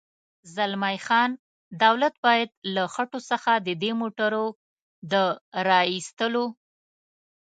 زلمی خان: دولت باید له خټو څخه د دې موټرو د را اېستلو.